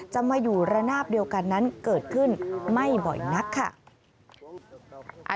จะมาอยู่ระนาบเดียวกันนั้นเกิดขึ้นไม่บ่อยนักค่ะ